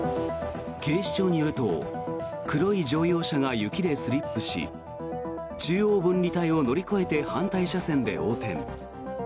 警視庁によると黒い乗用車が雪でスリップし中央分離帯を乗り越えて反対車線で横転。